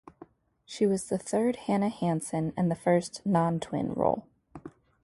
She was the third Hannah Hansen and the first non-twin role.